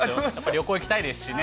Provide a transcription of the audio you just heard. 旅行行きたいですしね。